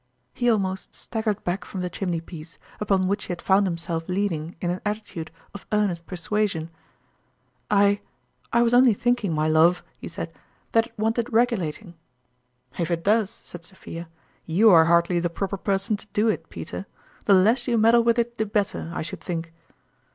He almost staggered back from the chimney piece, upon which he had found himself lean ing in an attitude of earnest persuasion. " I I was only thinking, my love," he said, " that it wanted regulating." " If it does," said Sophia, " you are hardly the proper person to do it Peter. The less you meddle with it the better, I should think